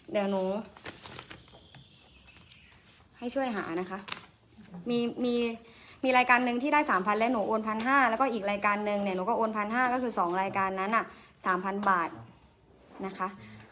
เดี๋ยวหนูให้ช่วยหานะคะมีมีรายการหนึ่งที่ได้๓๐๐แล้วหนูโอน๑๕๐๐แล้วก็อีกรายการนึงเนี่ยหนูก็โอน๑๕๐๐ก็คือ๒รายการนั้น๓๐๐บาทนะคะ